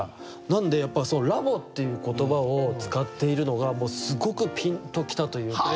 なんでその「ラボ」っていう言葉を使っているのがもうすごくピンときたというか。